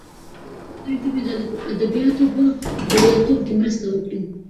د خپلې ژبې او ادبياتو په بډايتوب کې مرسته وکړي.